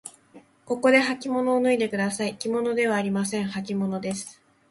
ここではきものを脱いでください。きものではありません。はきものです。